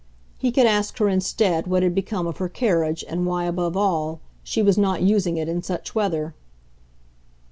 He could ask her instead what had become of her carriage and why, above all, she was not using it in such weather.